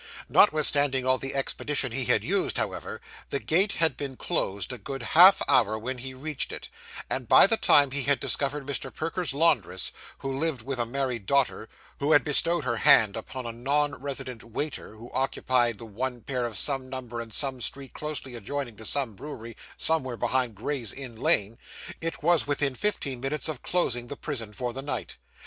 Notwithstanding all the expedition he had used, however, the gate had been closed a good half hour when he reached it, and by the time he had discovered Mr. Perker's laundress, who lived with a married daughter, who had bestowed her hand upon a non resident waiter, who occupied the one pair of some number in some street closely adjoining to some brewery somewhere behind Gray's Inn Lane, it was within fifteen minutes of closing the prison for the night.